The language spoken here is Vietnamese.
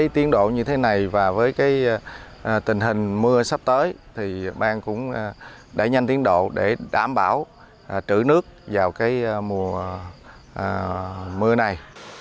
tình hình mưa sắp tới thì bang cũng đã nhanh tiến độ để đảm bảo chữ nước vào mùa mưa này